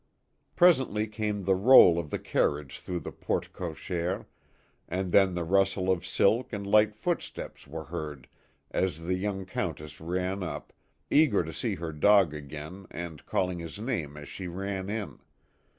Presently came the roll of the carriage through \htporte cochere, and then the rustle of silk and light footsteps were heard as the young Count ess ran up, eager to see her dog again and call ing his name as she ran in.